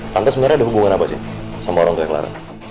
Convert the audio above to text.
tante sebenarnya ada hubungan apa sih sama orang tua yang clara